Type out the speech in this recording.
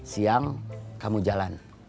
siang kamu jalan